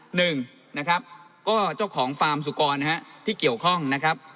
หนึ่งนะครับก็เจ้าของฟาร์มสุกรนะฮะที่เกี่ยวข้องนะครับ